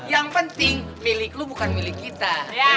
yang penting milik lo bukan milik kita